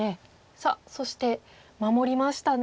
さあそして守りましたね。